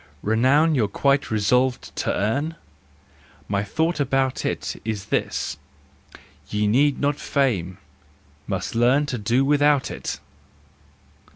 Renown you're quite resolved to earn ? My thought about it Is this: you need not fame, must learn To do without it!